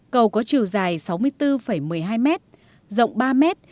cầu có chiều dài sáu mươi bốn một mươi hai mét rộng ba m